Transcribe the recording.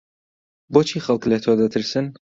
بۆچی خەڵک لە تۆ دەترسن؟